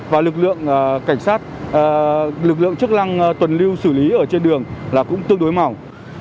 và lực lượng cảnh sát lực lượng chức năng tuần lưu xử lý ở trên đường là cũng tương đối mỏng